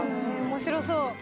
面白そう。